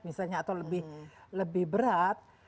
misalnya atau lebih berat